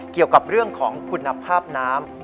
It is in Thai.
เกี่ยวกับเรื่องของคุณภาพน้ำ